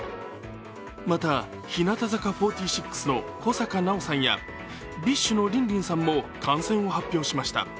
また、日向坂４６の小坂菜緒さんやＢｉＳＨのリンリンさんも感染を発表しました。